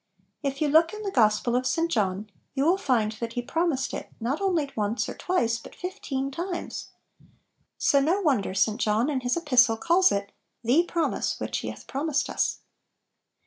If you look in the Gospel of St. John, you will find that He prom ised it not only once or twice, but fif teen times ! So no wonder Si John in his Epistle calls it " the promise which He hath promised us."